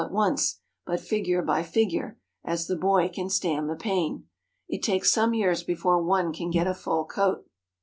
222 WITH THE BURMESE AT HOME at once, but figure by figure, as the boy can stand the pain. It takes some years before one can get a full coat.